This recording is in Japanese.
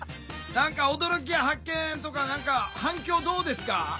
何か驚きや発見とか何か反響どうですか？